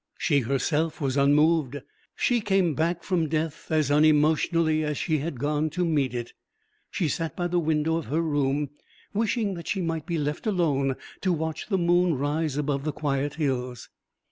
She herself was unmoved. She came back from death as unemotionally as she had gone to meet it. She sat by the window of her room, wishing that she might be left alone to watch the moon rise above the quiet hills.